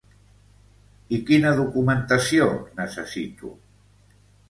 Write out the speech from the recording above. I quina documentació necessito?